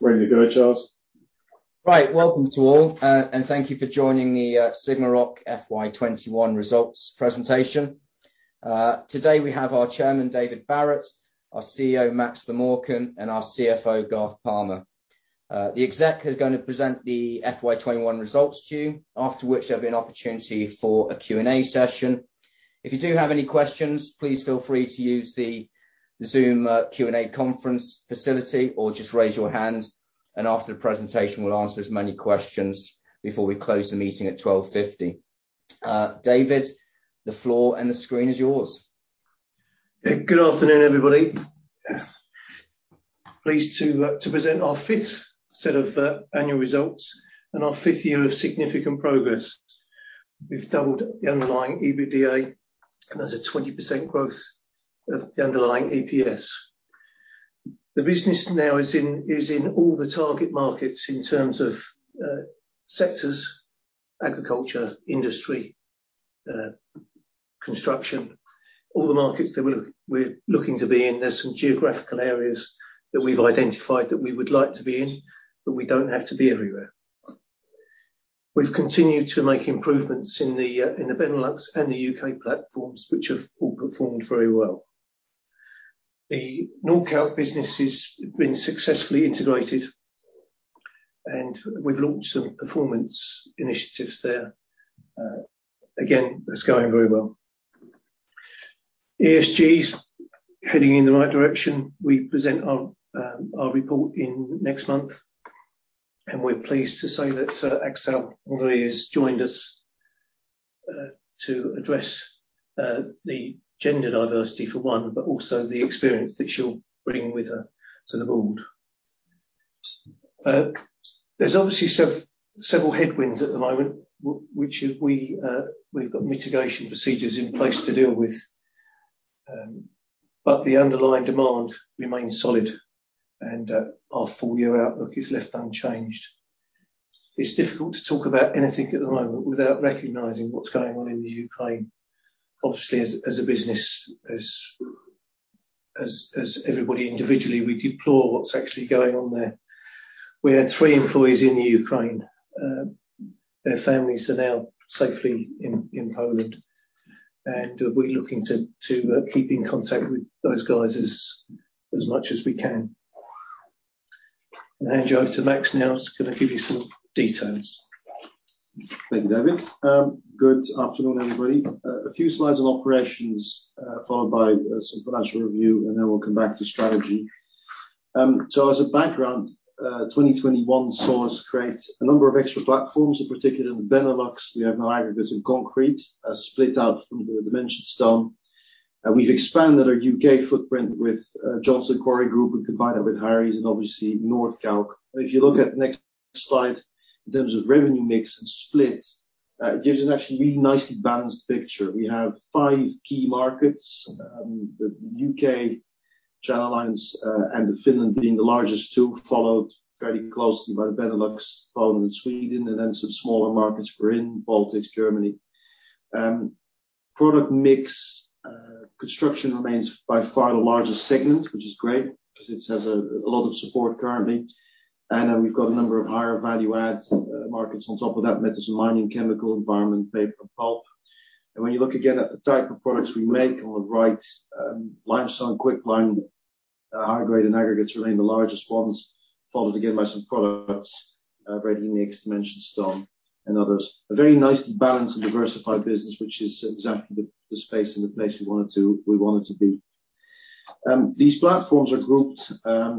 Ready to go, Charles. Right. Welcome to all, and thank you for joining the SigmaRoc FY 2021 results presentation. Today we have our Chairman, David Barrett, our CEO, Max Vermorken, and our CFO, Garth Palmer. The exec is gonna present the FY 2021 results to you, after which there'll be an opportunity for a Q&A session. If you do have any questions, please feel free to use the Zoom Q&A conference facility or just raise your hand, and after the presentation, we'll answer as many questions before we close the meeting at 12:50. David, the floor and the screen is yours. Good afternoon, everybody. Pleased to present our fifth set of annual results and our fifth year of significant progress. We've doubled the underlying EBITDA, and there's a 20% growth of the underlying EPS. The business now is in all the target markets in terms of sectors, agriculture, industry, construction, all the markets that we're looking to be in. There's some geographical areas that we've identified that we would like to be in, but we don't have to be everywhere. We've continued to make improvements in the Benelux and the U.K. platforms, which have all performed very well. The Nordkalk business has been successfully integrated, and we've launched some performance initiatives there. Again, that's going very well. ESG's heading in the right direction. We present our report in next month, and we're pleased to say that Axelle Henry has joined us to address the gender diversity for one, but also the experience that she'll bring with her to the board. There's obviously several headwinds at the moment, which we've got mitigation procedures in place to deal with, but the underlying demand remains solid, and our full year outlook is left unchanged. It's difficult to talk about anything at the moment without recognizing what's going on in the Ukraine. Obviously, as a business, as everybody individually, we deplore what's actually going on there. We had three employees in the Ukraine. Their families are now safely in Poland, and we're looking to keep in contact with those guys as much as we can. I'll hand you over to Max now. He's gonna give you some details. Thank you, David. Good afternoon, everybody. A few slides on operations, followed by some financial review, and then we'll come back to strategy. As a background, 2021 saw us create a number of extra platforms, in particular the Benelux. We have now aggregates and concrete split out from the dimension stone. We've expanded our U.K. footprint with Johnston Quarry Group. We combined that with GD Harries and obviously Nordkalk. If you look at the next slide, in terms of revenue mix and split, it gives us actually a really nicely balanced picture. We have five key markets, the U.K., Channel Islands, and Finland being the largest two, followed very closely by the Benelux, Poland, and Sweden, and then some smaller markets, Ukraine, Baltics, Germany. Product mix, construction remains by far the largest segment, which is great 'cause it has a lot of support currently. Then we've got a number of higher value adds, markets on top of that: metals, mining, chemical, environment, paper and pulp. When you look again at the type of products we make on the right, limestone, quicklime, high-grade and aggregates remain the largest ones, followed again by some products, ready-mix, dimension stone and others. A very nicely balanced and diversified business, which is exactly the space and the place we wanted to be. These platforms are grouped.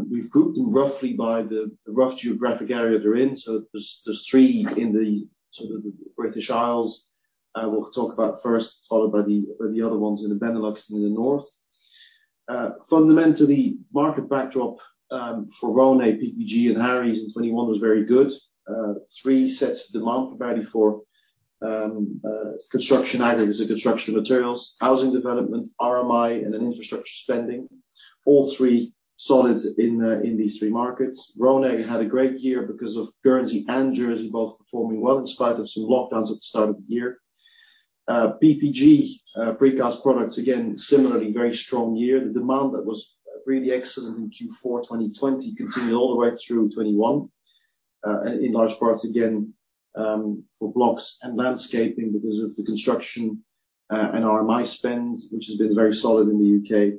We've grouped them roughly by the rough geographic area they're in. There's three in the sort of the British Isles, we'll talk about first, followed by the other ones in the Benelux and in the North. Fundamentally, market backdrop for Ronez, PPG and GD Harries in 2021 was very good. Three sets of demand, primarily for construction aggregates or construction materials, housing development, RMI and then infrastructure spending. All three solid in these three markets. Ronez had a great year because of Guernsey and Jersey both performing well in spite of some lockdowns at the start of the year. PPG, Precast Products, again, similarly very strong year. The demand that was really excellent in Q4 2020 continued all the way through 2021, in large parts again, for blocks and landscaping because of the construction and RMI spend, which has been very solid in the U.K.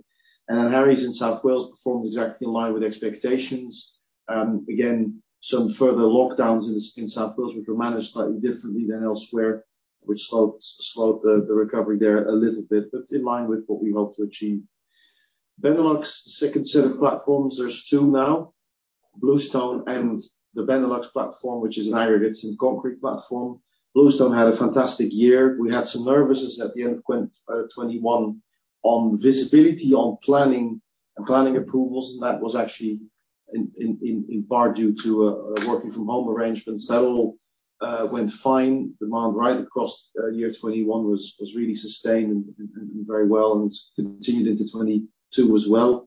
GD Harries in South Wales performed exactly in line with expectations. Again, some further lockdowns in South Wales, which were managed slightly differently than elsewhere, which slowed the recovery there a little bit, but in line with what we hoped to achieve. Benelux, the second set of platforms, there's two now, Bluestone and the Benelux platform, which is an aggregates and concrete platform. Bluestone had a fantastic year. We had some nervousness at the end of 2021 on visibility on planning and planning approvals, and that was actually in part due to working from home arrangements. That all went fine. Demand right across year 2021 was really sustained and very well, and it's continued into 2022 as well.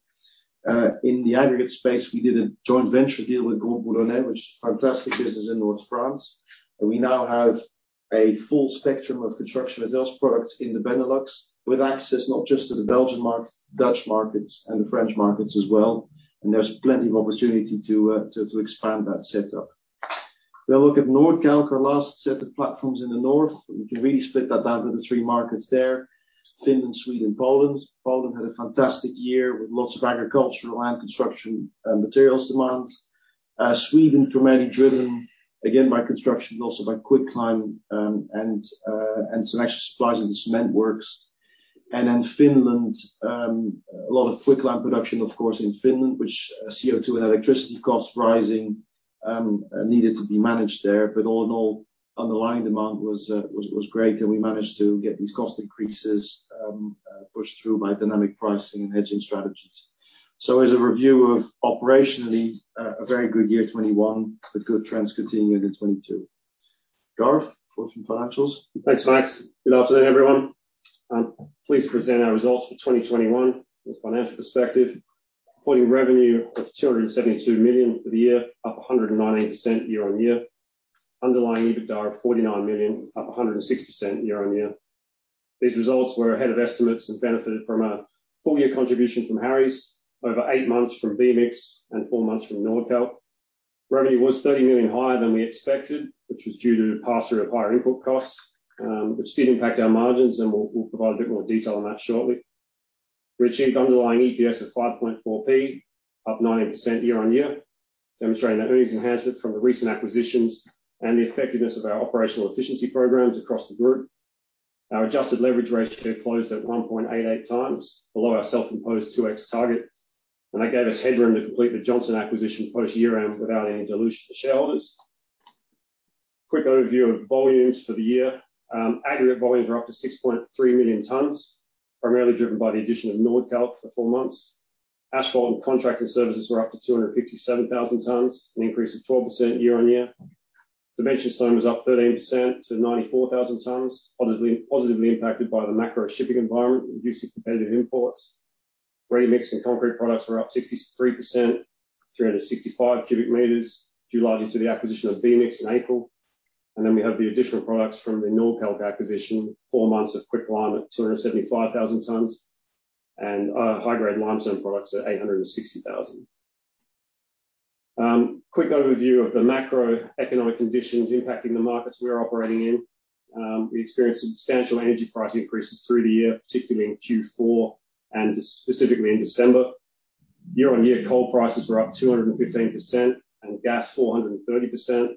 In the aggregate space, we did a joint venture deal with Groupe Carrières du Boulonnais, which is a fantastic business in northern France. We now have a full spectrum of construction aggregates products in the Benelux, with access not just to the Belgian market, Dutch markets, and the French markets as well. There's plenty of opportunity to expand that setup. Look at Nordkalk, our last set of platforms in the north. We can really split that down to the three markets there, Finland, Sweden, Poland. Poland had a fantastic year with lots of agricultural and construction materials demands. Sweden, cement driven again by construction, also by quicklime, and some extra supplies in the cement works. Finland, a lot of quicklime production, of course, in Finland, which CO2 and electricity costs rising needed to be managed there. All in all, underlying demand was great, and we managed to get these cost increases pushed through by dynamic pricing and hedging strategies. As a review of operationally, a very good year 2021, with good trends continuing in 2022. Garth, fourth and financials. Thanks, Max. Good afternoon, everyone. Pleased to present our results for 2021 from a financial perspective. Reporting revenue of 272 million for the year, up 198% year-on-year. Underlying EBITDA of 49 million, up 106% year-on-year. These results were ahead of estimates and benefited from a full year contribution from Harries, over eight months from B-Mix, and four months from Nordkalk. Revenue was 30 million higher than we expected, which was due to the pass-through of higher input costs, which did impact our margins, and we'll provide a bit more detail on that shortly. We achieved underlying EPS of 5.4p, up 19% year-on-year, demonstrating that earnings enhancement from the recent acquisitions and the effectiveness of our operational efficiency programs across the group. Our adjusted leverage ratio closed at 1.88 times below our self-imposed 2x target, and that gave us headroom to complete the Johnston acquisition post-year-end without any dilution to shareholders. Quick overview of volumes for the year. Aggregate volumes are up to 6.3 million tons, primarily driven by the addition of Nordkalk for four months. Asphalt and contracted services were up to 257,000 tons, an increase of 12% year-on-year. Dimension stone was up 13% to 94,000 tons, positively impacted by the macro shipping environment, reducing competitive imports. Ready-mix and concrete products were up 63%, 365 cubic meters, due largely to the acquisition of B-Mix in April. We have the additional products from the Nordkalk acquisition, four months of quicklime at 275,000 tons and high-grade limestone products at 860,000 tons. Quick overview of the macroeconomic conditions impacting the markets we are operating in. We experienced substantial energy price increases through the year, particularly in Q4 and specifically in December. Year-on-year coal prices were up 215% and gas 430%.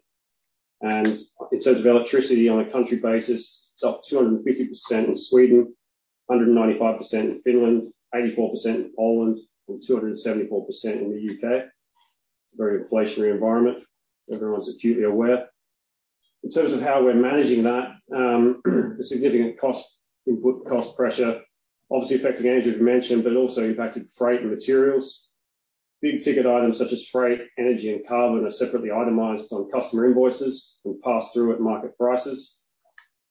In terms of electricity on a country basis, it's up 250% in Sweden, 195% in Finland, 84% in Poland, and 274% in the U.K. It's a very inflationary environment, everyone's acutely aware. In terms of how we're managing that, a significant cost input, cost pressure obviously affecting energy we've mentioned, but it also impacted freight and materials. Big-ticket items such as freight, energy, and carbon are separately itemized on customer invoices and passed through at market prices.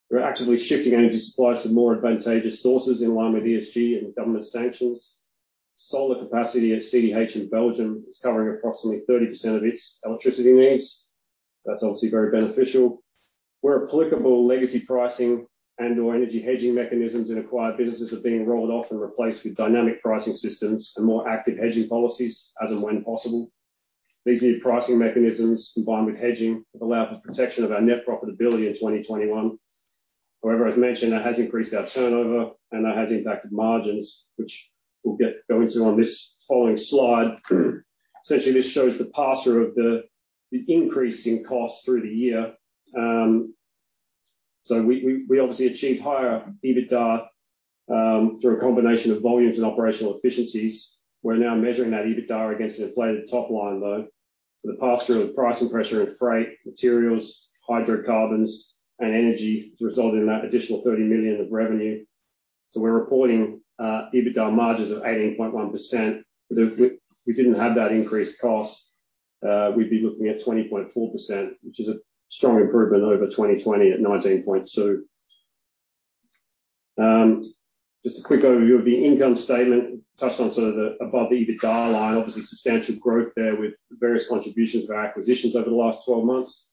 We're actively shifting energy supply to more advantageous sources in line with ESG and government sanctions. Solar capacity at CDH in Belgium is covering approximately 30% of its electricity needs. That's obviously very beneficial. Where applicable, legacy pricing and/or energy hedging mechanisms in acquired businesses are being rolled off and replaced with dynamic pricing systems and more active hedging policies as and when possible. These new pricing mechanisms, combined with hedging, have allowed for protection of our net profitability in 2021. However, as mentioned, that has increased our turnover and that has impacted margins, which we'll go into on this following slide. Essentially, this shows the pass-through of the increase in cost through the year. We obviously achieved higher EBITDA through a combination of volumes and operational efficiencies. We're now measuring that EBITDA against an inflated top line though. The pass-through of pricing pressure in freight, materials, hydrocarbons and energy has resulted in that additional 30 million of revenue. We're reporting EBITDA margins of 18.1%. If we didn't have that increased cost, we'd be looking at 20.4%, which is a strong improvement over 2020 at 19.2%. Just a quick overview of the income statement. Touched on sort of the above the EBITDA line, obviously substantial growth there with various contributions of our acquisitions over the last 12 months.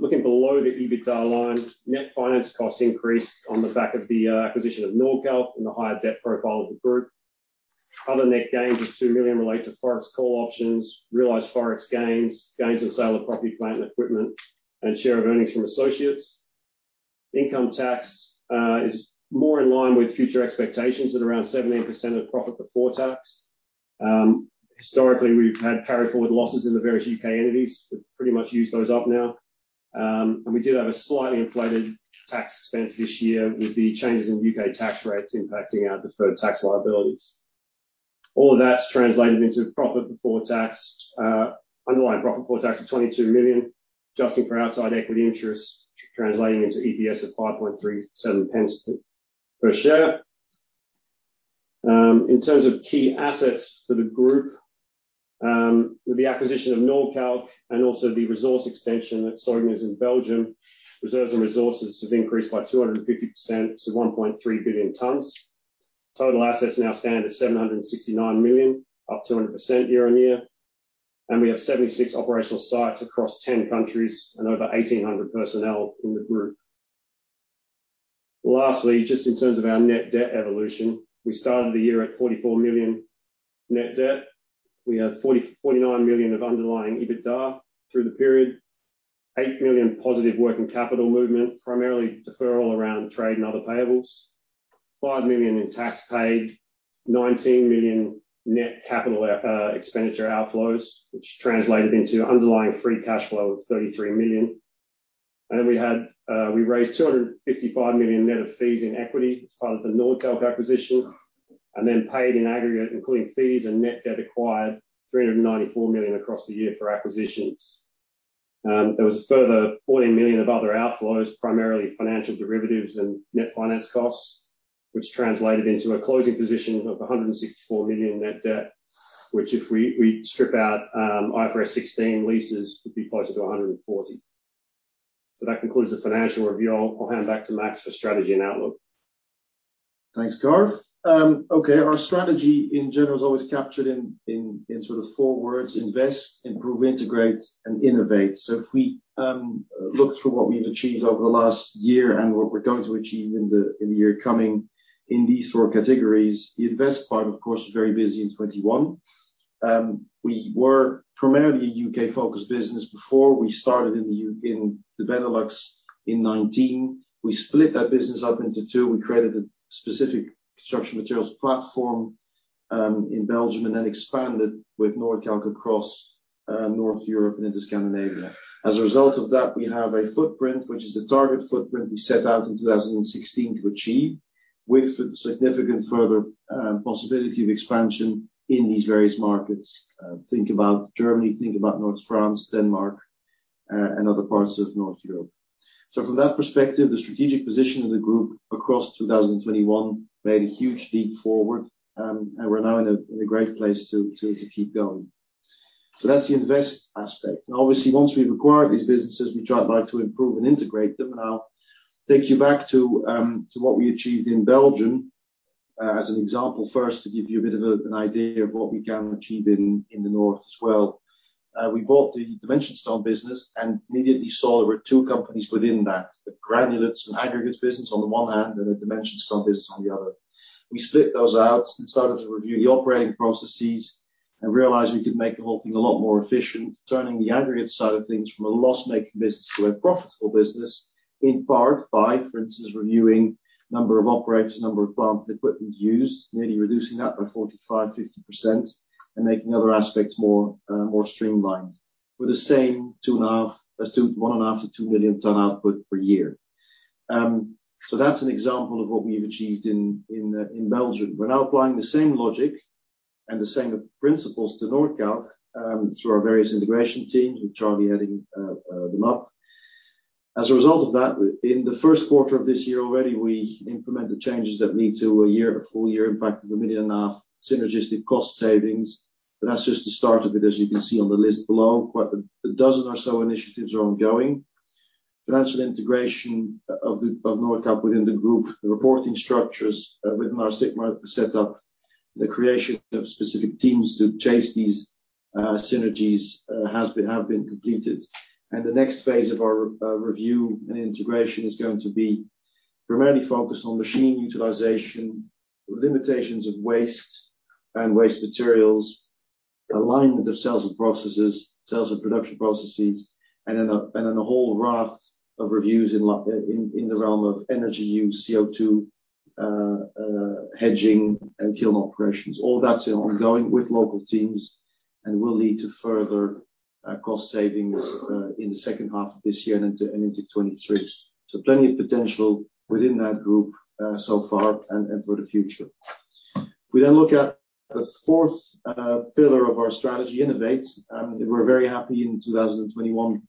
Looking below the EBITDA line, net finance costs increased on the back of the acquisition of Nordkalk and the higher debt profile of the group. Other net gains of 2 million relate to forex call options, realized forex gains in sale of property, plant, and equipment, and share of earnings from associates. Income tax is more in line with future expectations at around 17% of profit before tax. Historically, we've had carried forward losses in the various U.K. entities. We've pretty much used those up now. We did have a slightly inflated tax expense this year with the changes in U.K. tax rates impacting our deferred tax liabilities. All of that's translated into profit before tax, underlying profit before tax of 22 million, adjusting for outside equity interest, translating into EPS of 5.37 pence per share. In terms of key assets for the group, with the acquisition of Nordkalk and also the resource extension at Soignies in Belgium, reserves and resources have increased by 250% to 1.3 billion tons. Total assets now stand at 769 million, up 200% year-on-year. We have 76 operational sites across 10 countries and over 1,800 personnel in the group. Lastly, just in terms of our net debt evolution, we started the year at 44 million net debt. We had 49 million of underlying EBITDA through the period. 8 million positive working capital movement, primarily deferral around trade and other payables. 5 million in tax paid. 19 million net capital expenditure outflows, which translated into underlying free cash flow of 33 million. We had we raised 255 million net of fees in equity as part of the Nordkalk acquisition, and then paid in aggregate, including fees and net debt acquired, 394 million across the year for acquisitions. There was a further 14 million of other outflows, primarily financial derivatives and net finance costs, which translated into a closing position of 164 million net debt, which if we we strip out IFRS 16 leases would be closer to 140. That concludes the financial review. I'll hand back to Max for strategy and outlook. Thanks, Garth. Okay. Our strategy in general is always captured in in sort of four words: invest, improve, integrate, and innovate. If we look through what we've achieved over the last year and what we're going to achieve in the year coming in these four categories, the invest part, of course, was very busy in 2021. We were primarily a U.K.-focused business before we started in the Benelux in 2019. We split that business up into two. We created a specific construction materials platform in Belgium and then expanded with Nordkalk across North Europe and into Scandinavia. As a result of that, we have a footprint, which is the target footprint we set out in 2016 to achieve, with significant further possibility of expansion in these various markets. Think about Germany, think about North France, Denmark, and other parts of North Europe. From that perspective, the strategic position of the group across 2021 made a huge leap forward, and we're now in a great place to keep going. That's the invest aspect. Obviously, once we've acquired these businesses, we like to improve and integrate them. I'll take you back to what we achieved in Belgium as an example first to give you a bit of an idea of what we can achieve in the North as well. We bought the dimension stone business and immediately saw there were two companies within that, the Granulates and Aggregates business on the one hand, and a dimension stone business on the other. We split those out and started to review the operating processes and realized we could make the whole thing a lot more efficient, turning the aggregates side of things from a loss-making business to a profitable business, in part by, for instance, reviewing number of operators, number of plant equipment used, nearly reducing that by 45%-50% and making other aspects more streamlined for the same 1.5 million ton-2 million ton output per year. That's an example of what we've achieved in Belgium. We're now applying the same logic and the same principles to Nordkalk through our various integration teams, which are adding them up. As a result of that, in the first quarter of this year already, we implemented changes that lead to a full year impact of 1.5 million synergistic cost savings. That's just the start of it, as you can see on the list below. Quite a dozen or so initiatives are ongoing. Financial integration of Nordkalk within the group, the reporting structures within our Sigma setup, the creation of specific teams to chase these synergies, have been completed. The next phase of our review and integration is going to be primarily focused on machine utilization, limitations of waste and waste materials, alignment of sales and processes, sales and production processes, and then a whole raft of reviews in the realm of energy use, CO2, hedging and kiln operations. All that's ongoing with local teams and will lead to further cost savings in the second half of this year and into 2023. Plenty of potential within that group so far and for the future. We then look at the fourth pillar of our strategy, innovate. We were very happy in 2021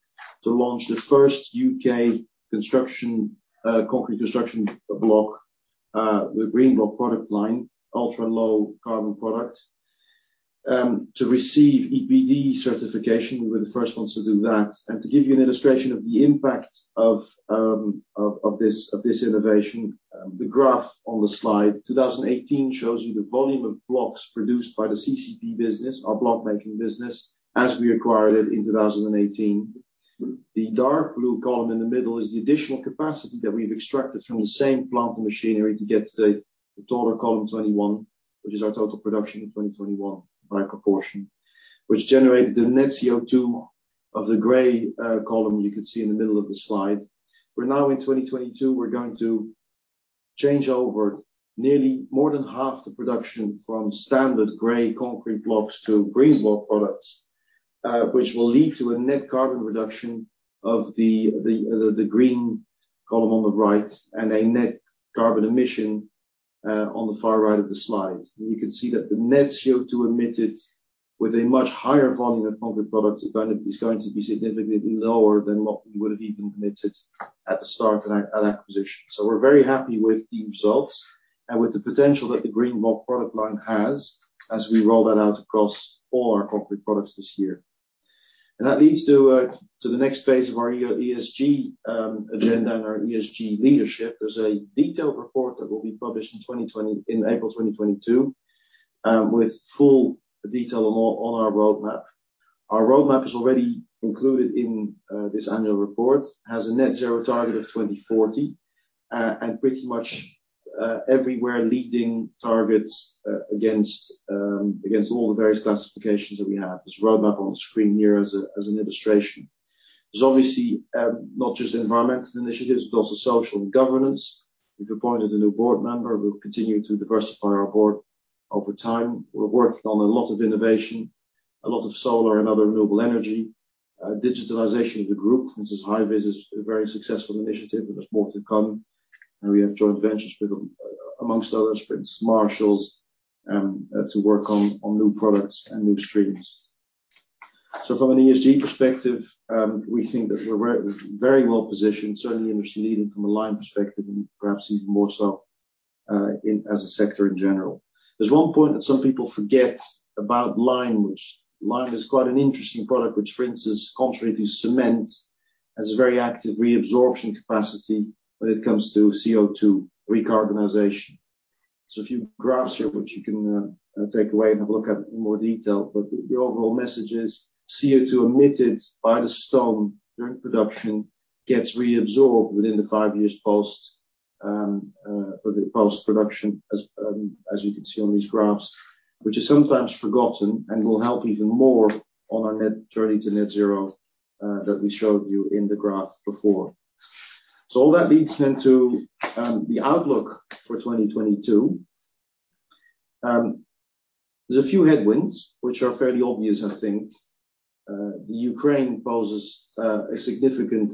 to launch the first U.K. concrete construction block, the Greenbloc product line, ultra-low carbon product, to receive EPD certification. We're the first ones to do that. To give you an illustration of the impact of this innovation, the graph on the slide, 2018 shows you the volume of blocks produced by the CCP business, our block-making business, as we acquired it in 2018. The dark blue column in the middle is the additional capacity that we've extracted from the same plant and machinery to get to the taller column '21, which is our total production in 2021 by proportion, which generated the net CO₂ of the gray column you can see in the middle of the slide. We're now in 2022, we're going to change over nearly more than half the production from standard gray concrete blocks to Greenbloc products, which will lead to a net carbon reduction of the green column on the right and a net carbon emission on the far right of the slide. You can see that the net CO₂ emitted with a much higher volume of concrete products is going to be significantly lower than what we would have even emitted at the start of that acquisition. We're very happy with the results and with the potential that the Greenbloc product line has as we roll that out across all our concrete products this year. That leads to the next phase of our ESG agenda and our ESG leadership. There's a detailed report that will be published in April 2022, with full detail on our roadmap. Our roadmap is already included in this annual report, has a net zero target of 2040. Pretty much everywhere leading targets against all the various classifications that we have. This roadmap on the screen here as an illustration. There's obviously not just environmental initiatives, but also social and governance. We've appointed a new board member. We'll continue to diversify our board over time. We're working on a lot of innovation, a lot of solar and other renewable energy. Digitalization of the group, which is HiVis, is a very successful initiative, and there's more to come. We have joint ventures with, among others, Prins Mathijs, to work on new products and new streams. From an ESG perspective, we think that we're very, very well positioned, certainly industry-leading from a lime perspective and perhaps even more so in as a sector in general. There's one point that some people forget about lime, which lime is quite an interesting product, which for instance, contrary to cement, has a very active reabsorption capacity when it comes to CO₂ recarbonation. A few graphs here which you can take away and have a look at in more detail, but the overall message is CO₂ emitted by the stone during production gets reabsorbed within the five years post-production as you can see on these graphs, which is sometimes forgotten and will help even more on our net zero journey that we showed you in the graph before. All that leads then to the outlook for 2022. There's a few headwinds which are fairly obvious, I think. The Ukraine poses a significant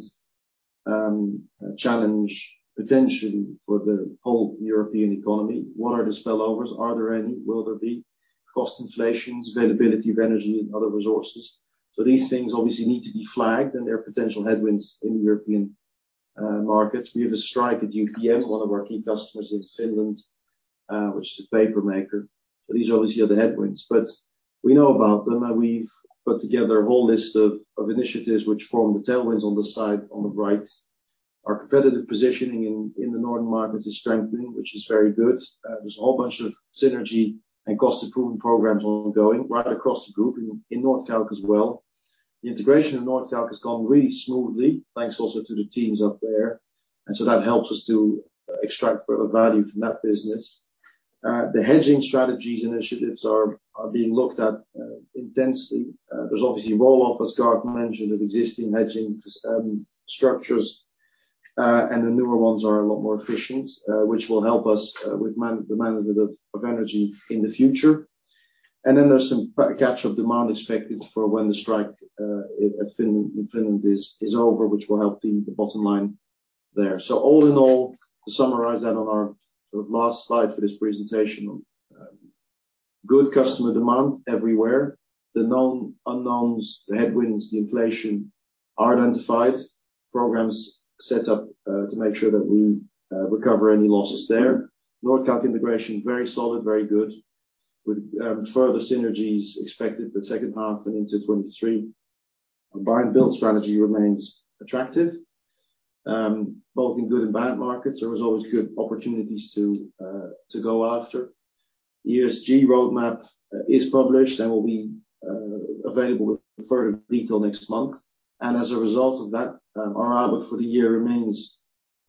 challenge potentially for the whole European economy. What are the spillovers? Are there any? Will there be cost inflations, availability of energy and other resources? These things obviously need to be flagged, and there are potential headwinds in European markets. We have a strike at UPM, one of our key customers in Finland, which is a paper maker. These obviously are the headwinds, but we know about them, and we've put together a whole list of initiatives which form the tailwinds on the side on the right. Our competitive positioning in the northern markets is strengthening, which is very good. There's a whole bunch of synergy and cost improvement programs ongoing right across the group in Nordkalk as well. The integration of Nordkalk has gone really smoothly, thanks also to the teams up there. That helps us to extract further value from that business. The hedging strategies initiatives are being looked at intensely. There's obviously roll-off, as Garth mentioned, of existing hedging structures, and the newer ones are a lot more efficient, which will help us with the management of energy in the future. There's some catch-up demand expected for when the strike at UPM in Finland is over, which will help the bottom line there. All in all, to summarize that on our sort of last slide for this presentation, good customer demand everywhere. The known unknowns, the headwinds, the inflation are identified, programs set up to make sure that we recover any losses there. Nordkalk integration, very solid, very good with further synergies expected for the second half and into 2023. Our buy and build strategy remains attractive both in good and bad markets. There is always good opportunities to go after. ESG roadmap is published and will be available with further detail next month. As a result of that, our outlook for the year remains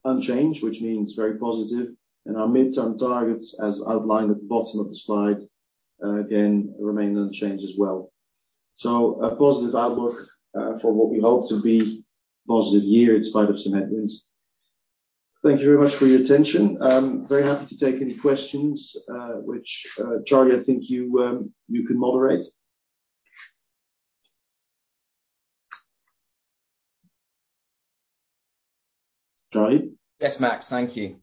unchanged, which means very positive. Our midterm targets as outlined at the bottom of the slide again remain unchanged as well. A positive outlook for what we hope to be a positive year in spite of some headwinds. Thank you very much for your attention. I'm very happy to take any questions, which, Charlie, I think you can moderate. Charlie? Yes, Max. Thank you.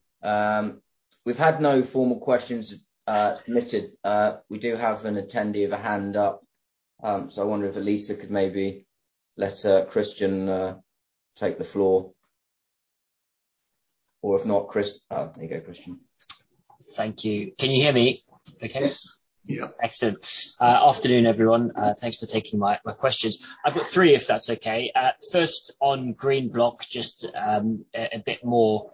We've had no formal questions submitted. We do have an attendee with a hand up. I wonder if Elisa could maybe let Christian take the floor. Or if not, oh, there you go, Christian. Thank you. Can you hear me okay? Yes. Yeah. Excellent. Afternoon, everyone. Thanks for taking my questions. I've got three, if that's okay. First on Greenbloc, just a bit more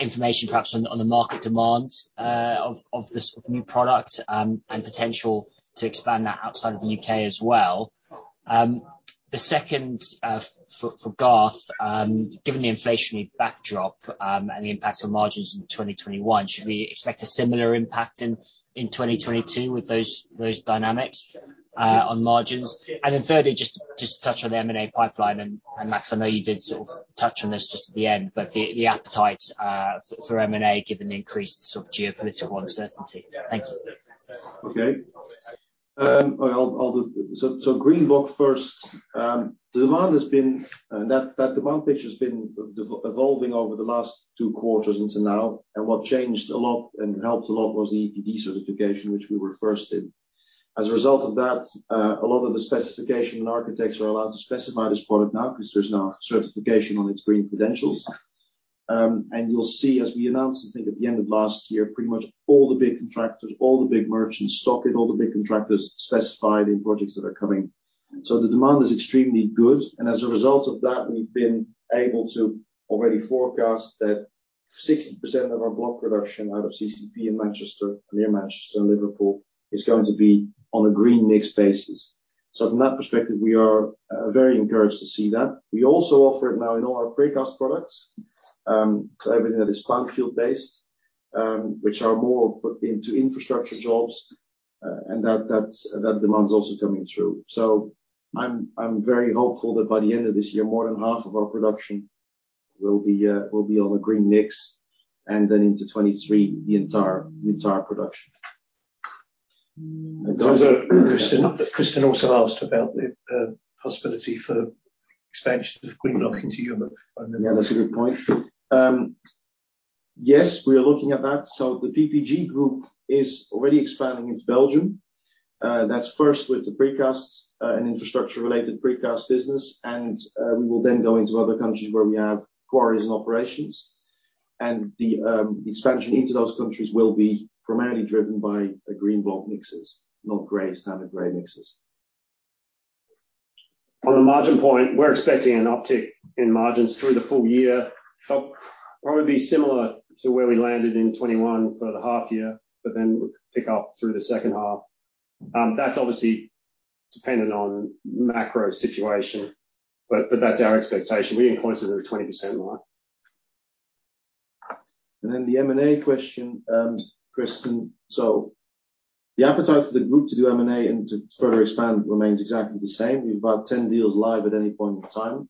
information perhaps on the market demands of this new product, and potential to expand that outside of the U.K. as well. The second, for Garth, given the inflationary backdrop, and the impact on margins in 2021, should we expect a similar impact in 2022 with those dynamics on margins? Then thirdly, just to touch on the M&A pipeline and Max, I know you did sort of touch on this just at the end, but the appetite for M&A given the increased sort of geopolitical uncertainty. Thank you. Greenbloc first. The demand picture has been evolving over the last two quarters until now. What changed a lot and helped a lot was the EPD certification, which we were first in. As a result of that, a lot of the specification architects are allowed to specify this product now 'cause there's now certification on its green credentials. You'll see as we announced, I think, at the end of last year, pretty much all the big contractors, all the big merchants stocking all the big contractors specified in projects that are coming. The demand is extremely good, and as a result of that, we've been able to already forecast that 60% of our block production out of CCP in Manchester, near Manchester and Liverpool is going to be on a green mix basis. From that perspective, we are very encouraged to see that. We also offer it now in all our precast products, so everything that is Clanfield based, which are more put into infrastructure jobs, and that demand is also coming through. I'm very hopeful that by the end of this year, more than half of our production will be on a green mix, and then into 2023, the entire production. Christian also asked about the possibility for expansion of Greenbloc into Europe. Yeah, that's a good point. Yes, we are looking at that. The PPG Group is already expanding into Belgium. That's first with the precasts and infrastructure-related precast business, and we will then go into other countries where we have quarries and operations. The expansion into those countries will be primarily driven by the Greenbloc mixes, not gray, standard gray mixes. On a margin point, we're expecting an uptick in margins through the full year, but probably similar to where we landed in 2021 for the half year, but then pick up through the second half. That's obviously dependent on macro situation, but that's our expectation. We're in close to the 20% mark. The M&A question, Christian. The appetite for the group to do M&A and to further expand remains exactly the same. We've about 10 deals live at any point in time.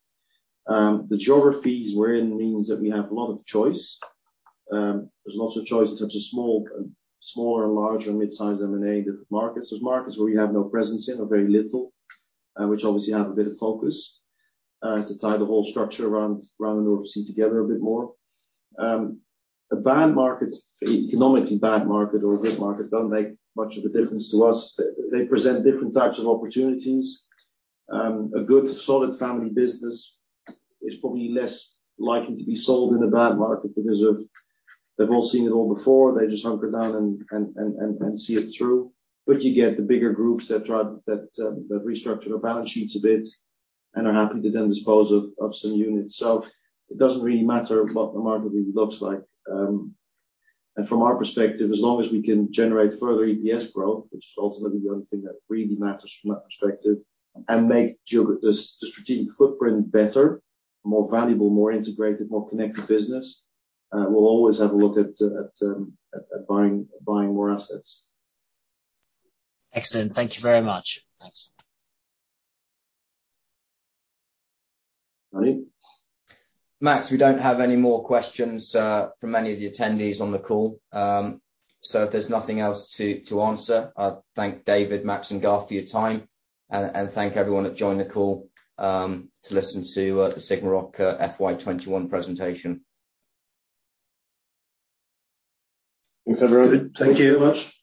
The geographies we're in means that we have a lot of choice. There's lots of choice in terms of small or large or midsize M&A markets. There's markets where we have no presence in or very little, which obviously have a bit of focus to tie the whole structure around our overseas together a bit more. An economically bad market or a good market don't make much of a difference to us. They present different types of opportunities. A good solid family business is probably less likely to be sold in a bad market because they've all seen it all before. They just hunker down and see it through. You get the bigger groups that restructure their balance sheets a bit and are happy to then dispose of some units. It doesn't really matter what the market really looks like. From our perspective, as long as we can generate further EPS growth, which is ultimately the only thing that really matters from that perspective, and make the strategic footprint better, more valuable, more integrated, more connected business, we'll always have a look at buying more assets. Excellent. Thank you very much. Thanks. Charlie? Max, we don't have any more questions from any of the attendees on the call. If there's nothing else to answer, I thank David, Max, and Garth for your time and thank everyone that joined the call to listen to the SigmaRoc FY 2021 presentation. Thanks, everyone. Thank you very much.